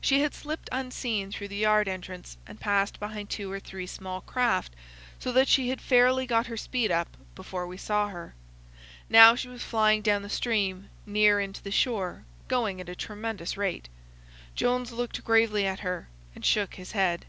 She had slipped unseen through the yard entrance and passed behind two or three small craft, so that she had fairly got her speed up before we saw her. Now she was flying down the stream, near in to the shore, going at a tremendous rate. Jones looked gravely at her and shook his head.